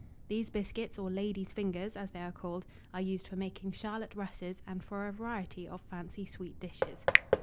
These biscuits, or ladies' fingers, as they are called, are used for making Charlotte russes, and for a variety of fancy sweet dishes.